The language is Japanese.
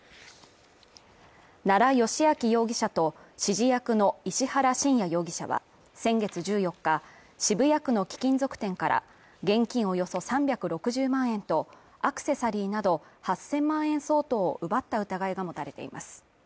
奈良幸晃容疑者と指示役の石原信也容疑者は、先月１４日渋谷区の貴金属店から現金およそ３６０万円と、アクセサリーなど８０００万円相当を奪った疑いが持たれています。